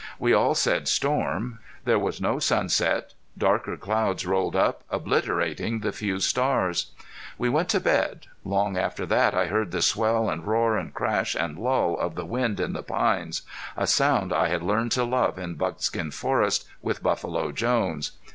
We all said storm. There was no sunset Darker clouds rolled up, obliterating the few stars. We went to bed. Long after that I heard the swell and roar and crash and lull of the wind in the pines, a sound I had learned to love in Buckskin Forest with Buffalo Jones.